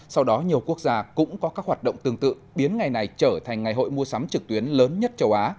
sau đó nhiều quốc gia cũng có các hoạt động tương tự biến ngày này trở thành ngày hội mua sắm trực tuyến lớn nhất châu á